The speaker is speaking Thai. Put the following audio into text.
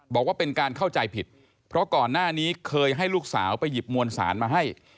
บอกว่าเป็นการเข้าใจผิดเพราะก่อนหน้านี้เคยให้ลูกสาวไปหยิบมวลสารมาให้